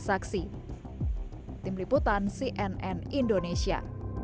saksi tim liputan cnn indonesia